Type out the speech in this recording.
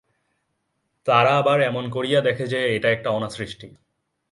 তারা আবার এমন করিয়া দেখে যে সে একটা অনাসৃষ্টি।